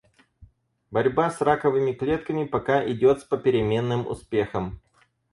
Борьба с раковыми клетками пока идёт с попеременным успехом.